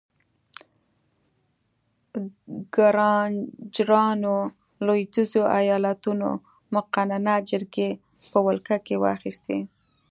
ګرانجرانو لوېدیځو ایالتونو مقننه جرګې په ولکه کې واخیستې.